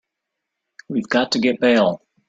We've got to get bail.